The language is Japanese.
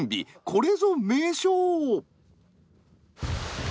これぞ名将！